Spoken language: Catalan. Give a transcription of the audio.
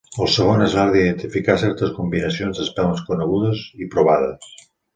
El segon és l'art d'identificar certes combinacions d'espelmes conegudes i provades.